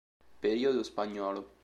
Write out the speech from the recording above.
Periodo spagnolo.